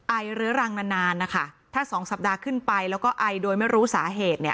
ไอเรื้อรังนานถ้า๒สัปดาห์ขึ้นไปแล้วก็อายโดยไม่รู้สาเหตุเนี่ย